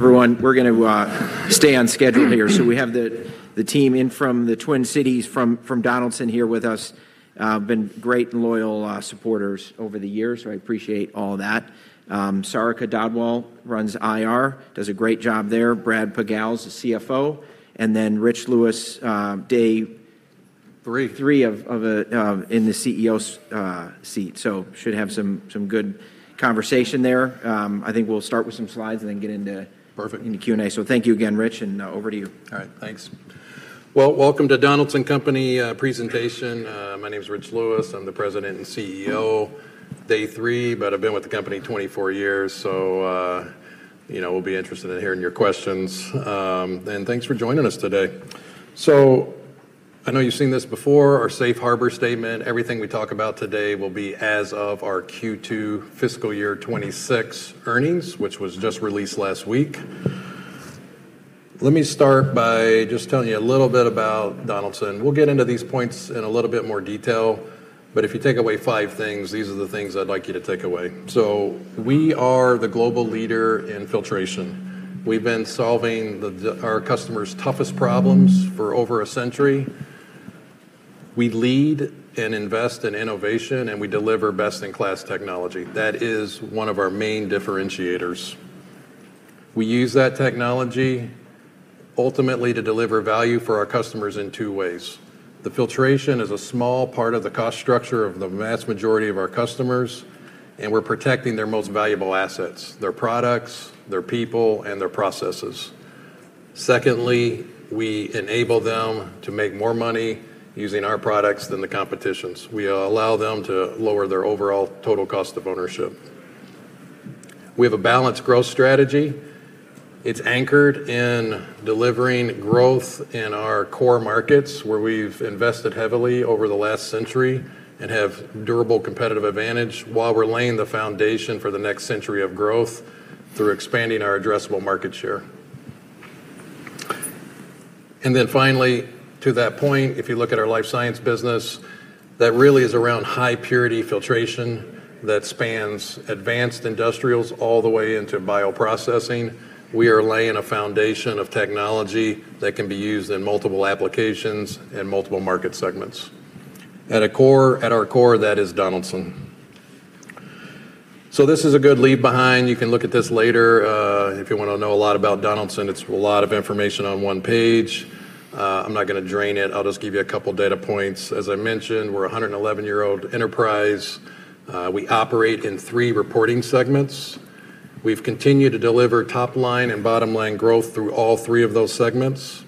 Everyone, we're gonna stay on schedule here. We have the team in from the Twin Cities from Donaldson here with us. Been great and loyal supporters over the years, so I appreciate all that. Sarika Dhadwal runs IR, does a great job there. Brad Pogalz the CFO, and then Rich Lewis, day- Three... three of, in the CEO seat. Should have some good conversation there. I think we'll start with some slides and then get into. Perfect... into Q&A. Thank you again, Rich, and, over to you. Well, welcome to Donaldson Company presentation. My name's Rich Lewis. I'm the President and CEO, day three, but I've been with the company 24 years, you know, we'll be interested in hearing your questions. Thanks for joining us today. I know you've seen this before, our safe harbor statement. Everything we talk about today will be as of our Q2 fiscal year 2026 earnings, which was just released last week. Let me start by just telling you a little bit about Donaldson. We'll get into these points in a little bit more detail, but if you take away five things, these are the things I'd like you to take away. We are the global leader in filtration. We've been solving our customers' toughest problems for over a century. We lead and invest in innovation, and we deliver best-in-class technology. That is one of our main differentiators. We use that technology ultimately to deliver value for our customers in two ways. The filtration is a small part of the cost structure of the vast majority of our customers, and we're protecting their most valuable assets, their products, their people, and their processes. Secondly, we enable them to make more money using our products than the competition's. We allow them to lower their overall total cost of ownership. We have a balanced growth strategy. It's anchored in delivering growth in our core markets, where we've invested heavily over the last century and have durable competitive advantage while we're laying the foundation for the next century of growth through expanding our addressable market share. Finally, to that point, if you look at our life science business, that really is around high purity filtration that spans advanced industrials all the way into bioprocessing. We are laying a foundation of technology that can be used in multiple applications and multiple market segments. At our core, that is Donaldson. This is a good leave behind. You can look at this later, if you wanna know a lot about Donaldson. It's a lot of information on one page. I'm not gonna drain it. I'll just give you a couple data points. As I mentioned, we're a 111-year-old enterprise. We operate in three reporting segments. We've continued to deliver top line and bottom line growth through all three of those segments.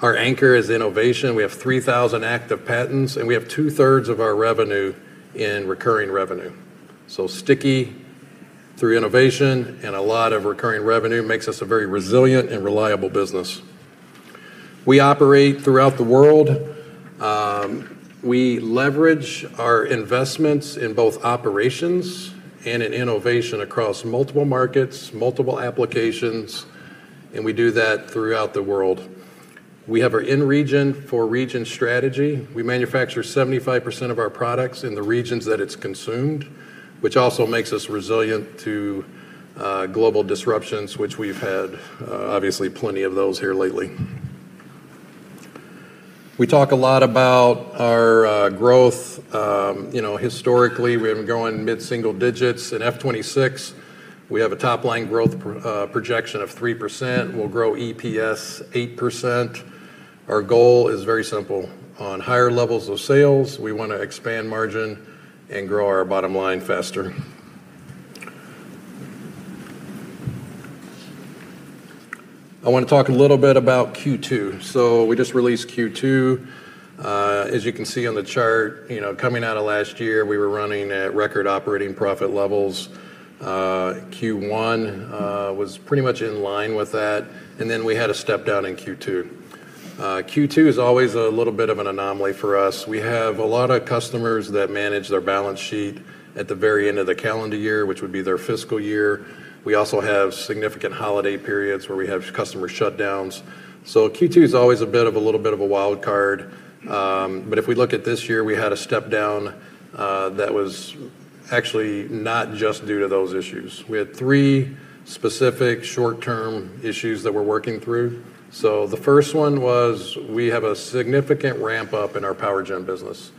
Our anchor is innovation. We have 3,000 active patents, and we have two-thirds of our revenue in recurring revenue. Sticky through innovation and a lot of recurring revenue makes us a very resilient and reliable business. We operate throughout the world. We leverage our investments in both operations and in innovation across multiple markets, multiple applications, and we do that throughout the world. We have our in-region-for-region strategy. We manufacture 75% of our products in the regions that it's consumed, which also makes us resilient to global disruptions, which we've had obviously plenty of those here lately. We talk a lot about our growth. You know, historically, we have been growing mid-single digits. In F2026, we have a top line growth projection of 3%. We'll grow EPS 8%. Our goal is very simple. On higher levels of sales, we wanna expand margin and grow our bottom line faster. I wanna talk a little bit about Q2. We just released Q2. As you can see on the chart, you know, coming out of last year, we were running at record operating profit levels. Q1 was pretty much in line with that, and then we had a step down in Q2. Q2 is always a little bit of an anomaly for us. We have a lot of customers that manage their balance sheet at the very end of the calendar year, which would be their fiscal year. We also have significant holiday periods where we have customer shutdowns. Q2 is always a bit of a little bit of a wild card. If we look at this year, we had a step down, that was actually not just due to those issues. We had three specific short-term issues that we're working through. The first one was we have a significant ramp-up in our power gen business.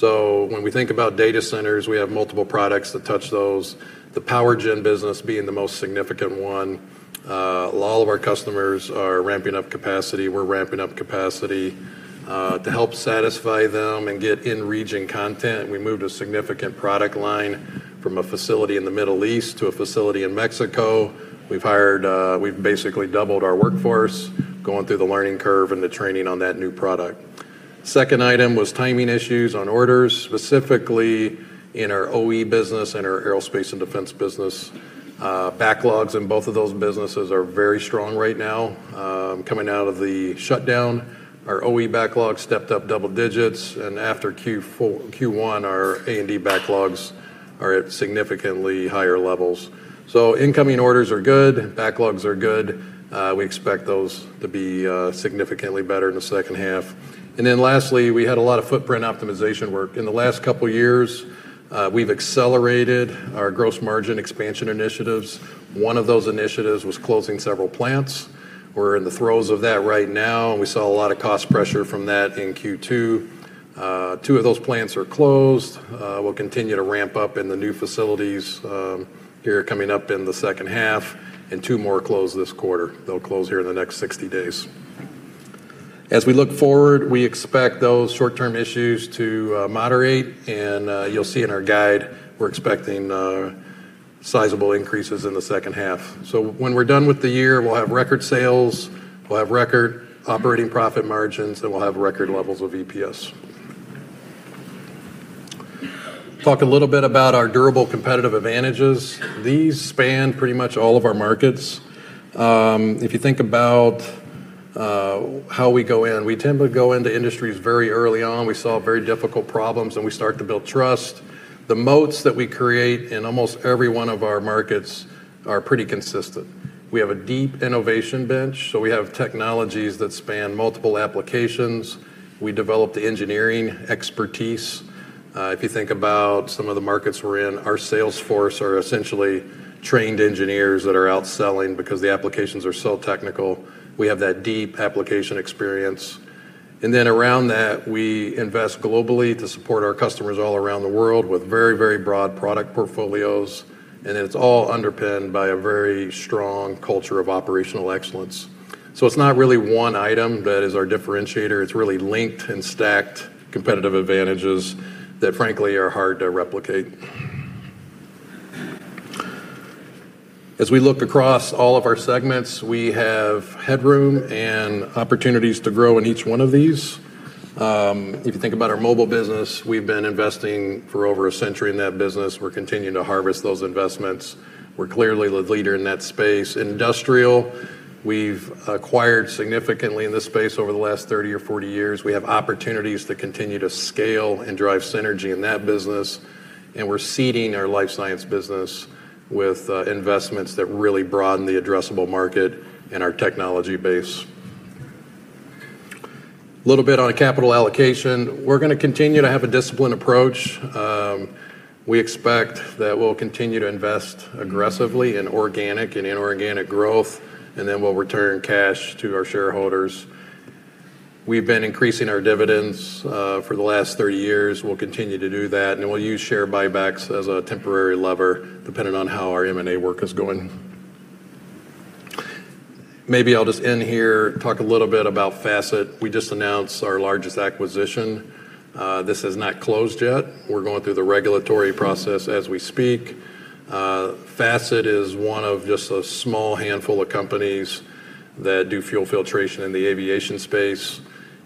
When we think about data centers, we have multiple products that touch those, the power gen business being the most significant one. A lot of our customers are ramping up capacity. We're ramping up capacity, to help satisfy them and get in-region content. We moved a significant product line from a facility in the Middle East to a facility in Mexico. We've hired, we've basically doubled our workforce going through the learning curve and the training on that new product. Second item was timing issues on orders, specifically in our OE business and our Aerospace and Defense business. Backlogs in both of those businesses are very strong right now. Coming out of the shutdown, our OE backlog stepped up double digits, and after Q1, our A&D backlogs are at significantly higher levels. Incoming orders are good. Backlogs are good. We expect those to be significantly better in the second half. Lastly, we had a lot of footprint optimization work. In the last couple years, we've accelerated our gross margin expansion initiatives. One of those initiatives was closing several plants. We're in the throes of that right now, and we saw a lot of cost pressure from that in Q2. Two of those plants are closed. We'll continue to ramp up in the new facilities, here coming up in the second half, and two more close this quarter. They'll close here in the next 60 days. As we look forward, we expect those short-term issues to moderate, and you'll see in our guide, we're expecting sizable increases in the second half. When we're done with the year, we'll have record sales, we'll have record operating profit margins, and we'll have record levels of EPS. Talk a little bit about our durable competitive advantages. These span pretty much all of our markets. If you think about how we go in, we tend to go into industries very early on. We solve very difficult problems, and we start to build trust. The moats that we create in almost every one of our markets are pretty consistent. We have a deep innovation bench, so we have technologies that span multiple applications. We develop the engineering expertise. If you think about some of the markets we're in, our sales force are essentially trained engineers that are out selling because the applications are so technical. We have that deep application experience. Around that, we invest globally to support our customers all around the world with very, very broad product portfolios, and it's all underpinned by a very strong culture of operational excellence. It's not really one item that is our differentiator. It's really linked and stacked competitive advantages that frankly are hard to replicate. As we look across all of our segments, we have headroom and opportunities to grow in each one of these. If you think about our mobile business, we've been investing for over a century in that business. We're continuing to harvest those investments. We're clearly the leader in that space. Industrial, we've acquired significantly in this space over the last 30 or 40 years. We have opportunities to continue to scale and drive synergy in that business, and we're seeding our life science business with investments that really broaden the addressable market and our technology base. Little bit on capital allocation. We're gonna continue to have a disciplined approach. We expect that we'll continue to invest aggressively in organic and inorganic growth, and then we'll return cash to our shareholders. We've been increasing our dividends for the last 30 years. We'll continue to do that, and we'll use share buybacks as a temporary lever, depending on how our M&A work is going. Maybe I'll just end here, talk a little bit about FACET. We just announced our largest acquisition. This is not closed yet. We're going through the regulatory process as we speak. Facet is one of just a small handful of companies that do fuel filtration in the aviation space.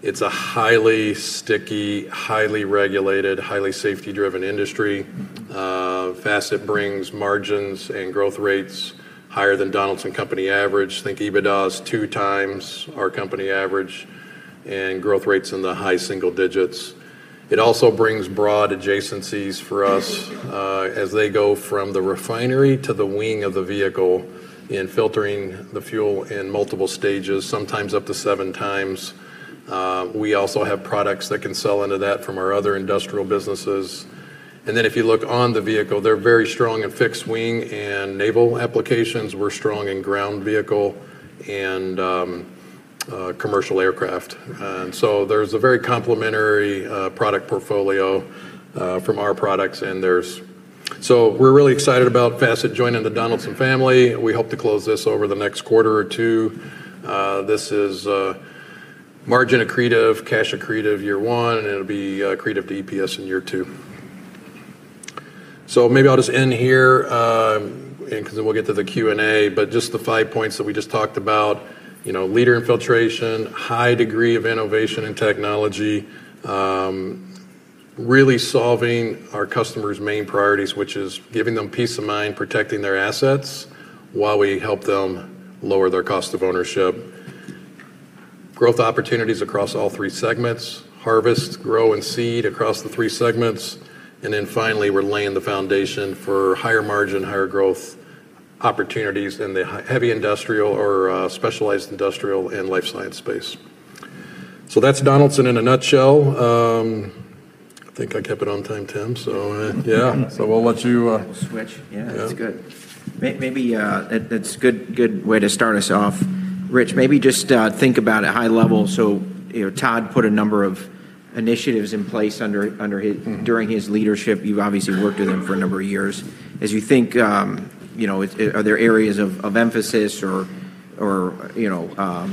It's a highly sticky, highly regulated, highly safety-driven industry. Facet brings margins and growth rates higher than Donaldson Company average. Think EBITDA two times our company average and growth rates in the high single digits. It also brings broad adjacencies for us, as they go from the refinery to the wing of the vehicle in filtering the fuel in multiple stages, sometimes up to seven times. We also have products that can sell into that from our other industrial businesses. If you look on the vehicle, they're very strong in fixed wing and naval applications. We're strong in ground vehicle and commercial aircraft. There's a very complementary product portfolio from our products, and there's... We're really excited about Facet joining the Donaldson family. We hope to close this over the next quarter or two. This is margin accretive, cash accretive year one, and it'll be accretive to EPS in year two. Maybe I'll just end here, and 'cause then we'll get to the Q&A. Just the five points that we just talked about, you know, leader in filtration, high degree of innovation and technology, really solving our customers' main priorities, which is giving them peace of mind, protecting their assets while we help them lower their cost of ownership. Growth opportunities across all three segments, harvest, grow, and seed across the three segments. Then finally, we're laying the foundation for higher margin, higher growth opportunities in the heavy industrial or specialized industrial and life science space. That's Donaldson in a nutshell. I think I kept it on time, Tim, so, yeah. We'll let you. We'll switch. Yeah. Yeah. That's good. Maybe, that's good way to start us off. Rich, maybe just, think about at high level. You know, Tod put a number of initiatives in place under. Mm-hmm... during his leadership. You've obviously worked with him for a number of years. As you think, you know, are there areas of emphasis or, you know,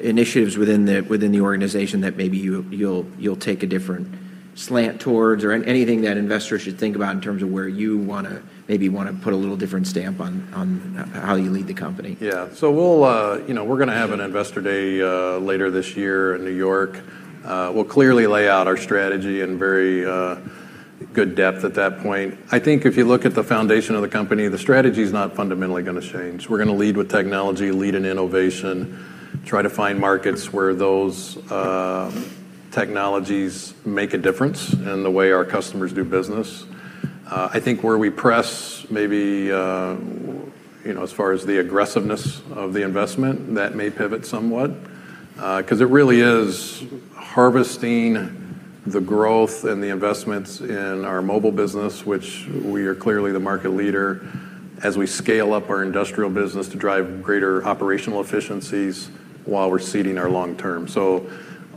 initiatives within the organization that maybe you'll take a different slant towards? Anything that investors should think about in terms of where you wanna put a little different stamp on how you lead the company? We'll, you know, we're gonna have an investor day later this year in New York. We'll clearly lay out our strategy in very good depth at that point. I think if you look at the foundation of the company, the strategy's not fundamentally gonna change. We're gonna lead with technology, lead in innovation, try to find markets where those technologies make a difference in the way our customers do business. I think where we press maybe, you know, as far as the aggressiveness of the investment, that may pivot somewhat. 'Cause it really is harvesting the growth and the investments in our mobile business, which we are clearly the market leader. As we scale up our industrial business to drive greater operational efficiencies while we're seeding our long term.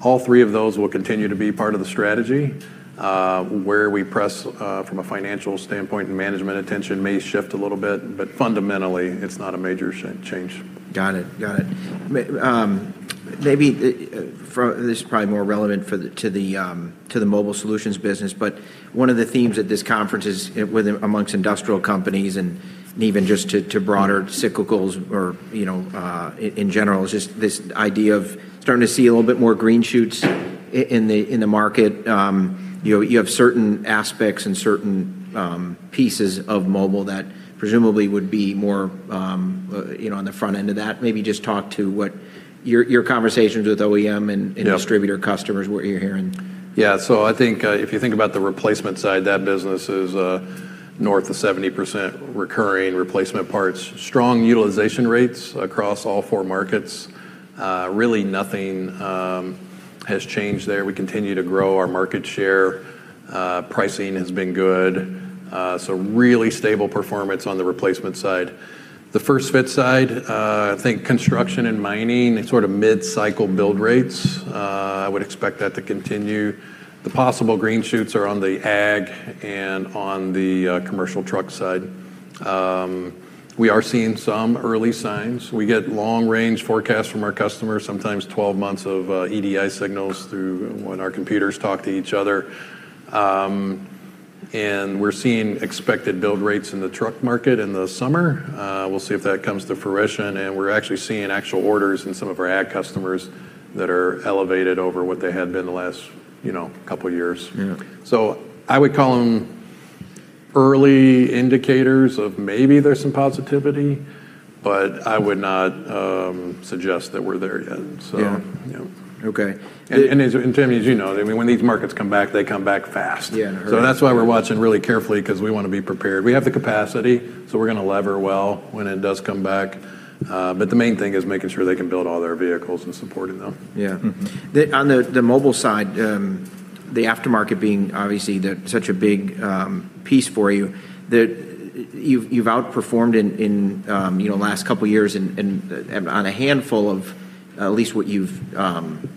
All three of those will continue to be part of the strategy. Where we press from a financial standpoint and management attention may shift a little bit, but fundamentally it's not a major change. Got it. Got it. Maybe this is probably more relevant for the Mobile Solutions business, but one of the themes at this conference is amongst industrial companies and even just to broader cyclicals or, you know, in general is just this idea of starting to see a little bit more green shoots in the market. You know, you have certain aspects and certain pieces of Mobile that presumably would be more, you know, on the front end of that. Maybe just talk to what your conversations with OEM and Yeah distributor customers, what you're hearing. I think, if you think about the replacement side, that business is north of 70% recurring replacement parts. Strong utilization rates across all four markets. Really nothing has changed there. We continue to grow our market share. Pricing has been good. Really stable performance on the replacement side. The first-fit side, I think construction and mining sort of mid-cycle build rates. I would expect that to continue. The possible green shoots are on the ag and on the commercial truck side. We are seeing some early signs. We get long range forecasts from our customers, sometimes 12 months of EDI signals through when our computers talk to each other. We're seeing expected build rates in the truck market in the summer. We'll see if that comes to fruition. We're actually seeing actual orders in some of our ag customers that are elevated over what they had been the last, you know, couple years. Yeah. I would call them early indicators of maybe there's some positivity, but I would not suggest that we're there yet, so. Yeah. You know. Okay. Tim, as you know, I mean, when these markets come back, they come back fast. Yeah. In a hurry. That's why we're watching really carefully because we wanna be prepared. We have the capacity, so we're gonna lever well when it does come back. The main thing is making sure they can build all their vehicles and supporting them. Yeah. Mm-hmm. On the mobile side, the aftermarket being obviously such a big piece for you've outperformed in, you know, last couple years and on a handful of at least what you've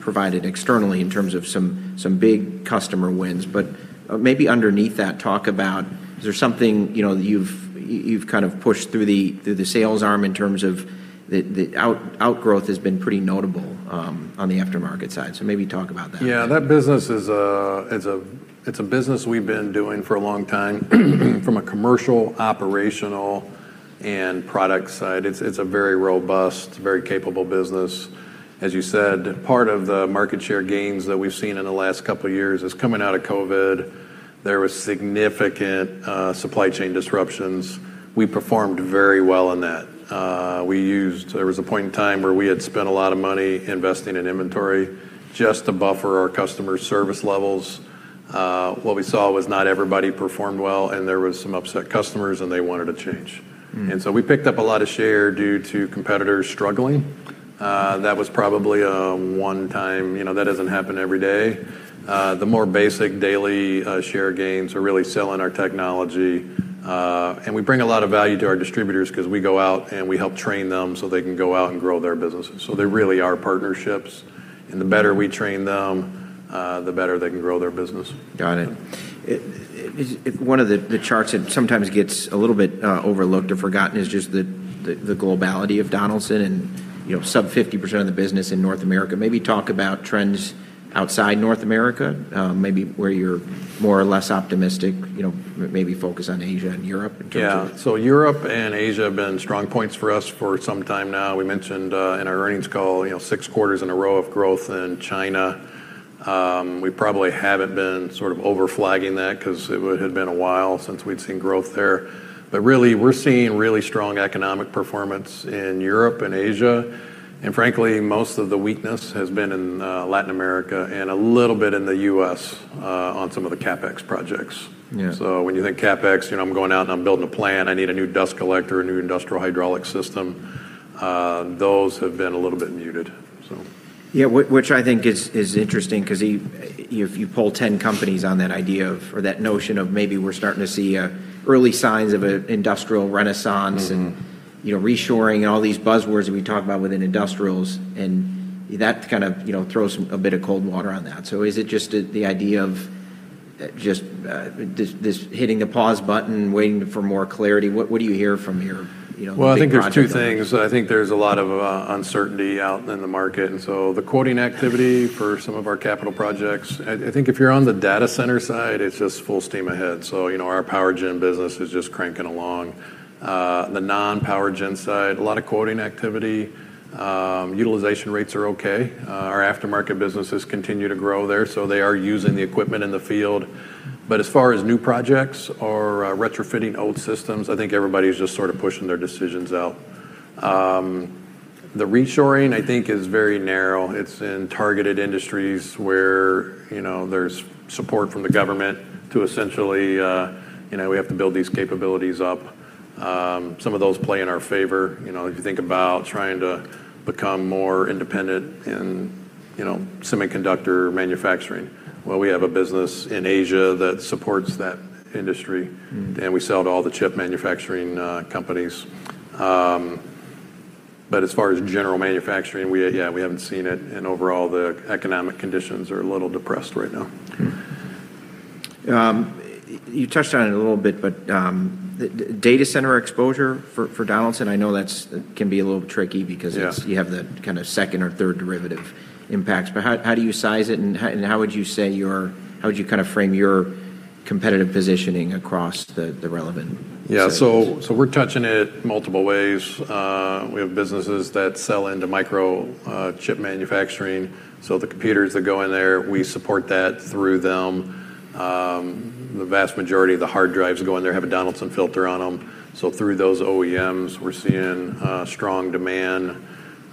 provided externally in terms of some big customer wins. Maybe underneath that, talk about is there something, you know, you've kind of pushed through the sales arm in terms of the outgrowth has been pretty notable on the aftermarket side. Maybe talk about that. That business is, it's a business we've been doing for a long time from a commercial, operational, and product side. It's a very robust, very capable business. As you said, part of the market share gains that we've seen in the last couple years is coming out of COVID. There was significant supply chain disruptions. We performed very well in that. There was a point in time where we had spent a lot of money investing in inventory just to buffer our customer service levels. What we saw was not everybody performed well, and there was some upset customers, and they wanted a change. Mm-hmm. We picked up a lot of share due to competitors struggling. That was probably a one-time, you know. That doesn't happen every day. The more basic daily, share gains are really selling our technology. We bring a lot of value to our distributors 'cause we go out and we help train them so they can go out and grow their businesses. They really are partnerships. The better we train them, the better they can grow their business. Got it. One of the charts that sometimes gets a little bit overlooked or forgotten is just the globality of Donaldson and, you know, sub 50% of the business in North America. Maybe talk about trends outside North America, maybe where you're more or less optimistic. You know, maybe focus on Asia and Europe in terms of. Europe and Asia have been strong points for us for some time now. We mentioned in our earnings call, you know, six quarters in a row of growth in China. We probably haven't been sort of over flagging that 'cause it would had been a while since we'd seen growth there. Really, we're seeing really strong economic performance in Europe and Asia, and frankly, most of the weakness has been in Latin America and a little bit in the U.S. on some of the CapEx projects. Yeah. When you think CapEx, you know, I'm going out and I'm building a plant, I need a new dust collector, a new industrial hydraulic system, those have been a little bit muted. Yeah. Which I think is interesting 'cause if you poll 10 companies on that idea of or that notion of maybe we're starting to see early signs of a industrial renaissance- Mm-hmm ...You know, reshoring and all these buzzwords that we talk about within industrials, and that kind of, you know, throws a bit of cold water on that. Is it just the idea of just this hitting the pause button, waiting for more clarity? What do you hear from your, you know, big projects? I think there's two things. I think there's a lot of uncertainty out in the market, the quoting activity for some of our capital projects. I think if you're on the data center side, it's just full steam ahead. You know, our Power Generation business is just cranking along. The non-Power Generation side, a lot of quoting activity. Utilization rates are okay. Our aftermarket businesses continue to grow there, so they are using the equipment in the field. As far as new projects or retrofitting old systems, I think everybody's just sort of pushing their decisions out. The reshoring, I think, is very narrow. It's in targeted industries where, you know, there's support from the government to essentially, you know, we have to build these capabilities up. Some of those play in our favor. You know, if you think about trying to become more independent in, you know, semiconductor manufacturing. Well, we have a business in Asia that supports that industry. Mm-hmm. We sell to all the chip manufacturing, companies. As far as general manufacturing, we, yeah, we haven't seen it, and overall the economic conditions are a little depressed right now. You touched on it a little bit, but, data center exposure for Donaldson, I know that can be a little tricky because it's... Yeah. you have the kinda second or third derivative impacts. How do you size it and how would you say how would you kinda frame your competitive positioning across the relevant services? Yeah. We're touching it multiple ways. We have businesses that sell into micro chip manufacturing. The computers that go in there, we support that through them. The vast majority of the hard drives that go in there have a Donaldson filter on them. Through those OEMs, we're seeing strong demand.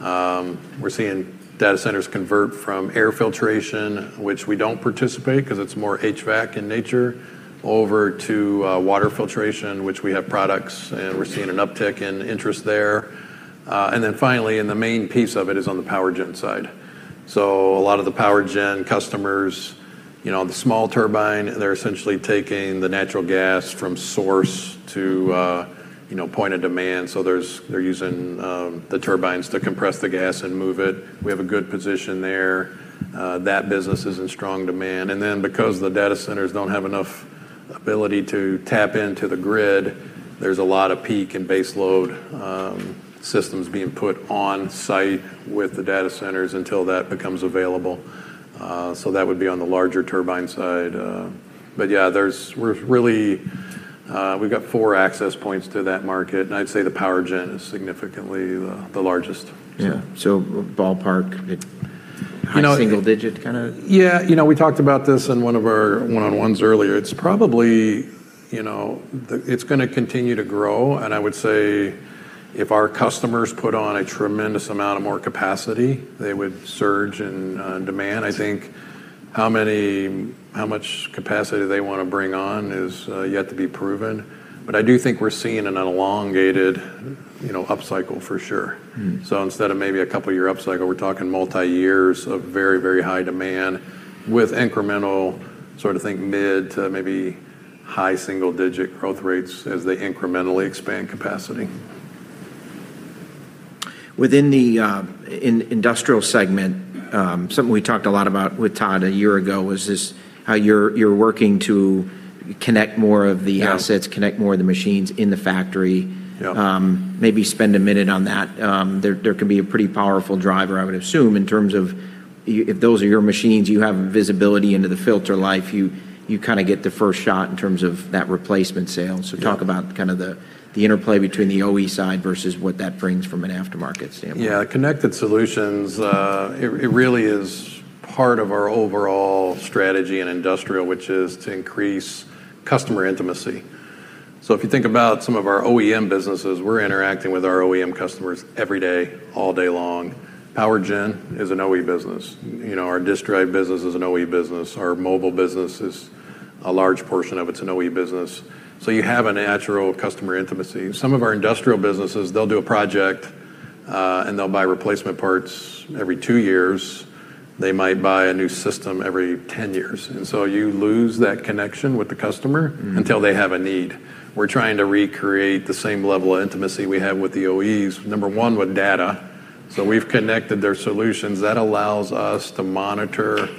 We're seeing data centers convert from air filtration, which we don't participate 'cause it's more HVAC in nature, over to water filtration, which we have products, and we're seeing an uptick in interest there. Finally, and the main piece of it is on the Power Generation side. A lot of the Power Generation customers, you know, the small turbine, they're essentially taking the natural gas from source to, you know, point of demand. They're using the turbines to compress the gas and move it. We have a good position there. That business is in strong demand. Because the data centers don't have enough ability to tap into the grid, there's a lot of peak and base load systems being put on site with the data centers until that becomes available. That would be on the larger turbine side. Yeah, we've got four access points to that market, and I'd say the Power Generation is significantly the largest. Yeah. ballpark. You know. High single digit kinda? Yeah. You know, we talked about this in one of our one-on-ones earlier. It's probably, you know, it's gonna continue to grow. I would say if our customers put on a tremendous amount of more capacity, they would surge in demand. I think how much capacity they wanna bring on is yet to be proven. I do think we're seeing an elongated, you know, upcycle for sure. Mm-hmm. Instead of maybe a couple-year upcycle, we're talking multi-years of very, very high demand with incremental, sort of think mid- to maybe high-single-digit growth rates as they incrementally expand capacity. Within the, in-industrial segment, something we talked a lot about with Todd a year ago was just how you're working to connect more of the assets. Yeah. Connect more of the machines in the factory. Yeah. Maybe spend a minute on that. There could be a pretty powerful driver, I would assume, in terms of if those are your machines, you have visibility into the filter life. You kinda get the first shot in terms of that replacement sale. Yeah. talk about kinda the interplay between the OE side versus what that brings from an aftermarket standpoint. Yeah. Connected Solutions, it really is part of our overall strategy in Industrial, which is to increase customer intimacy. If you think about some of our OEM businesses, we're interacting with our OEM customers every day, all day long. Power gen is an OE business. You know, our disk drive business is an OE business. Our Mobile business is a large portion of it's an OE business. You have a natural customer intimacy. Some of our Industrial businesses, they'll do a project, and they'll buy replacement parts every two years. They might buy a new system every 10 years. You lose that connection with the customer. Mm-hmm. until they have a need. We're trying to recreate the same level of intimacy we have with the OEs, number one, with data. We've connected their solutions. That allows us to monitor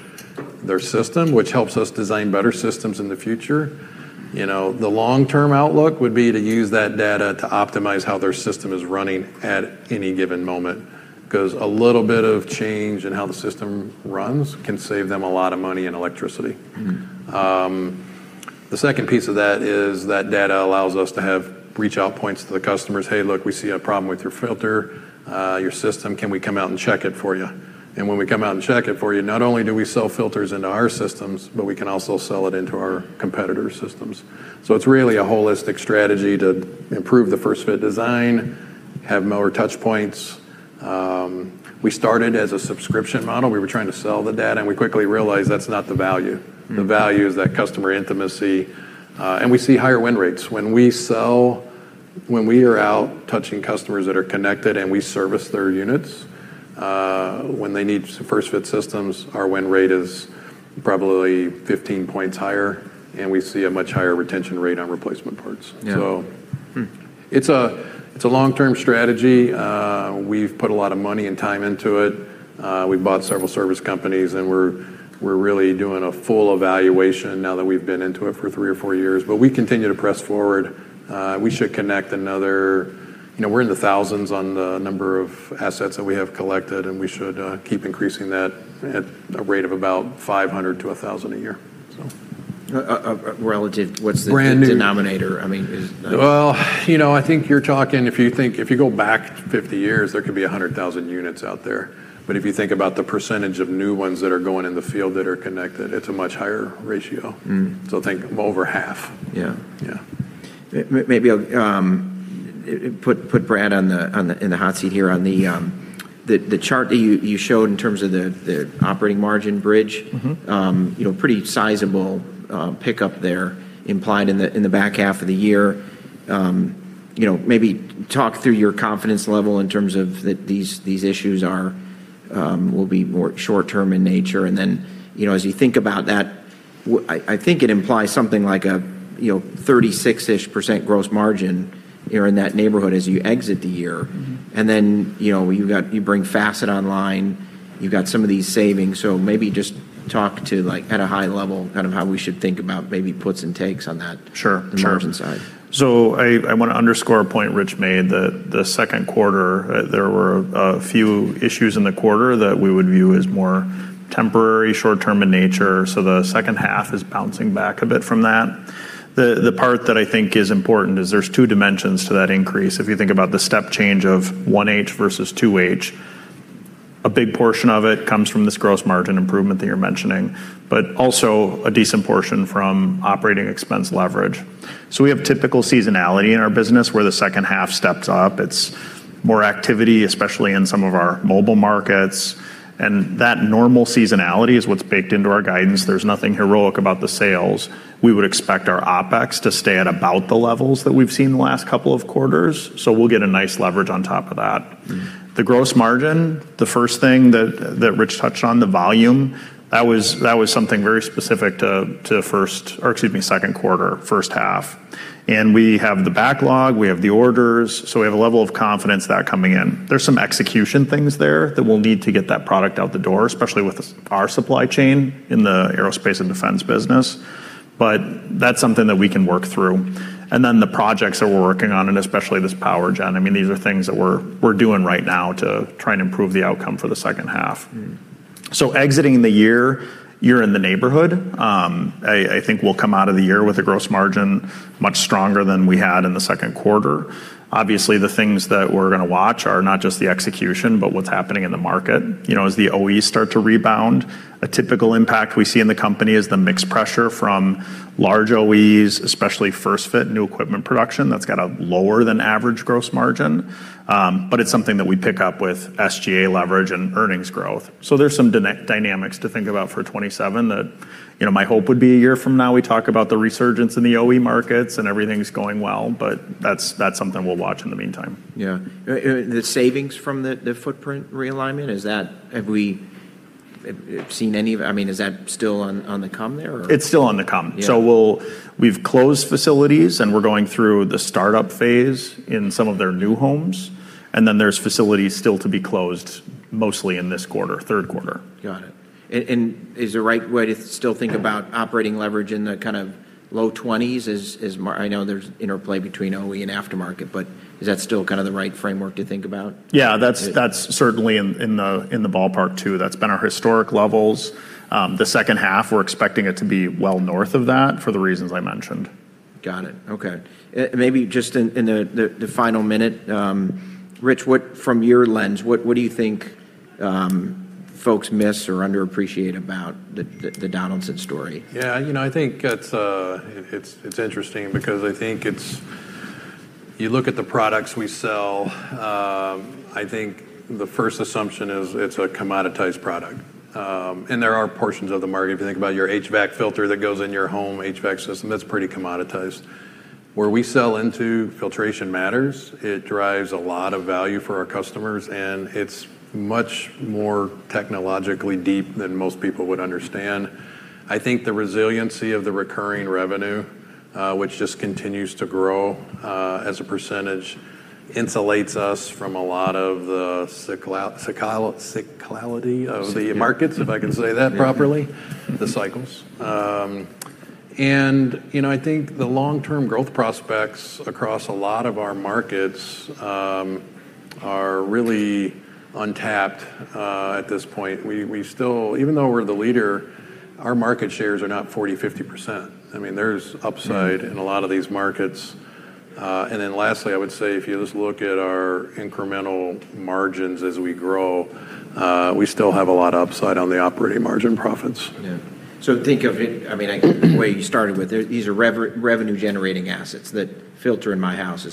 their system, which helps us design better systems in the future. You know, the long-term outlook would be to use that data to optimize how their system is running at any given moment, 'cause a little bit of change in how the system runs can save them a lot of money in electricity. Mm-hmm. The second piece of that is that data allows us to have reach-out points to the customers. "Hey, look, we see a problem with your filter, your system. Can we come out and check it for you?" When we come out and check it for you, not only do we sell filters into our systems, but we can also sell it into our competitors' systems. It's really a holistic strategy to improve the first-fit design, have more touch points. We started as a subscription model. We were trying to sell the data, and we quickly realized that's not the value. Mm-hmm. The value is that customer intimacy. We see higher win rates. When we are out touching customers that are connected and we service their units, when they need first-fit systems, our win rate is probably 15 points higher, and we see a much higher retention rate on replacement parts. Yeah. So- Hmm. It's a long-term strategy. We've put a lot of money and time into it. We bought several service companies, and we're really doing a full evaluation now that we've been into it for three or four years. We continue to press forward. We should connect another. You know, we're in the thousands on the number of assets that we have collected, and we should keep increasing that at a rate of about 500 to 1,000 a year. relative, what's. Brand new. denominator? I mean, is- Well, you know, I think you're talking, if you go back 50 years, there could be 100,000 units out there. If you think about the percentage of new ones that are going in the field that are connected, it's a much higher ratio. Mm-hmm. Think over half. Yeah. Yeah. Maybe I'll put Brad on the in the hot seat here on the chart that you showed in terms of the operating margin bridge. Mm-hmm. You know, pretty sizable pickup there implied in the back half of the year. You know, maybe talk through your confidence level in terms of that these issues are, will be more short-term in nature? You know, as you think about that, I think it implies something like a, you know, 36%-ish gross margin, you're in that neighborhood as you exit the year. Mm-hmm. You know, you bring Facet online, you've got some of these savings. Maybe just talk to, like, at a high level, kind of how we should think about maybe puts and takes on that? Sure, sure.... margin side. I wanna underscore a point Rich made that the second quarter, there were a few issues in the quarter that we would view as more temporary, short-term in nature. The second half is bouncing back a bit from that. The part that I think is important is there's two dimensions to that increase. If you think about the step change of 1H versus 2H, a big portion of it comes from this gross margin improvement that you're mentioning, but also a decent portion from operating expense leverage. We have typical seasonality in our business where the second half steps up. It's more activity, especially in some of our mobile markets, and that normal seasonality is what's baked into our guidance. There's nothing heroic about the sales. We would expect our OpEx to stay at about the levels that we've seen the last couple of quarters. We'll get a nice leverage on top of that. Mm-hmm. The gross margin, the first thing that Rich touched on, the volume, that was something very specific to second quarter, first half. We have the backlog, we have the orders, we have a level of confidence of that coming in. There's some execution things there that we'll need to get that product out the door, especially with our supply chain in the Aerospace and Defense business. That's something that we can work through. The projects that we're working on, especially this Power Generation, I mean, these are things that we're doing right now to try and improve the outcome for the second half. Mm-hmm. Exiting the year, you're in the neighborhood. I think we'll come out of the year with a gross margin much stronger than we had in the second quarter. Obviously, the things that we're gonna watch are not just the execution, but what's happening in the market. You know, as the OEs start to rebound, a typical impact we see in the company is the mixed pressure from large OEs, especially first-fit new equipment production that's got a lower than average gross margin. But it's something that we pick up with SGA leverage and earnings growth. There's some dynamics to think about for 2027 that, you know, my hope would be a year from now, we talk about the resurgence in the OE markets and everything's going well, but that's something we'll watch in the meantime. Yeah. The savings from the footprint realignment, have we seen any of it? I mean, is that still on the come there or? It's still on the come. Yeah. We've closed facilities, and we're going through the startup phase in some of their new homes, and then there's facilities still to be closed mostly in this quarter, third quarter. Got it. Is the right way to still think about operating leverage in the kind of low 20s%, I know there's interplay between OE and aftermarket, but is that still kinda the right framework to think about? Yeah, that's certainly in the ballpark too. That's been our historic levels. The second half, we're expecting it to be well north of that for the reasons I mentioned. Got it. Okay. Maybe just in the final minute, Rich, from your lens, what do you think folks miss or underappreciate about the Donaldson story? Yeah, you know, I think it's interesting because I think it's. You look at the products we sell, I think the first assumption is it's a commoditized product. There are portions of the market, if you think about your HVAC filter that goes in your home HVAC system, that's pretty commoditized. Where we sell into filtration matters, it drives a lot of value for our customers, and it's much more technologically deep than most people would understand. I think the resiliency of the recurring revenue, which just continues to grow, as a percentage, insulates us from a lot of the cyclality of the markets, if I can say that properly. Yeah. The cycles. You know, I think the long-term growth prospects across a lot of our markets are really untapped at this point. We still even though we're the leader, our market shares are not 40%, 50%. I mean, there's upside in a lot of these markets. Lastly, I would say if you just look at our incremental margins as we grow, we still have a lot of upside on the operating margin profits. Yeah. Think of it, I mean, like the way you started with, these are revenue generating assets. That filter in my house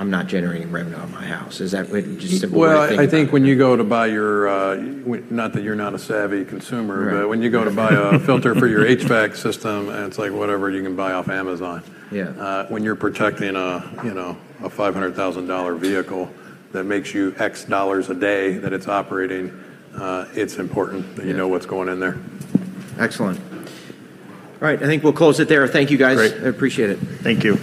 I'm not generating revenue on my house. Is that what you said? What do I think about that? Well, I think when you go to buy your, not that you're not a savvy consumer. Right. When you go to buy a filter for your HVAC system, and it's like whatever you can buy off Amazon. Yeah. When you're protecting a, you know, a $500,000 vehicle that makes you X dollars a day that it's operating, it's important that you know what's going in there. Excellent. All right. I think we'll close it there. Thank you, guys. Great. I appreciate it. Thank you.